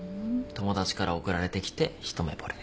友達から送られてきて一目ぼれ。